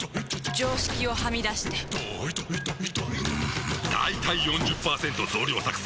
常識をはみ出してんだいたい ４０％ 増量作戦！